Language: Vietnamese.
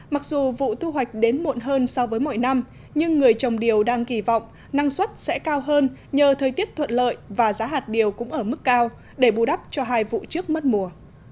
mặc dù vụ thu hoạch đến muộn hơn so với mọi năm nhưng người trồng điều đang kỳ vọng năng suất sẽ cao hơn nhờ thời tiết thuận lợi và giá hạt điều cũng ở mức cao để bù đắp cho hai vụ trước mất mùa